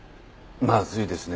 まずいですね。